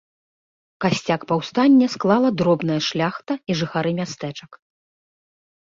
Касцяк паўстання склала дробная шляхта і жыхары мястэчак.